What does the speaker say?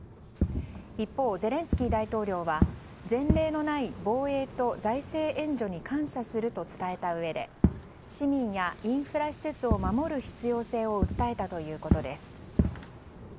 一方、ゼレンスキー大統領は前例のない防衛と財政援助に感謝すると伝えたうえで市民やインフラ施設を守る必要性を訴えたということです。